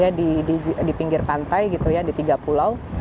tapi di pinggir pantai di tiga pulau